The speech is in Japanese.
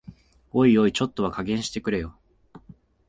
おいおい、ちょっとは加減してくれよ